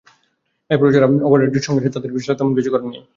এরপরও যারা অপারেটরটির সঙ্গে আছে তাদের বিষয়ে আসলে তেমন কিছু করার নেই।